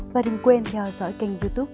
và đừng quên theo dõi kênh youtube